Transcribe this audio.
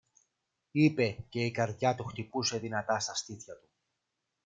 είπε και η καρδιά του χτυπούσε δυνατά στα στήθια του.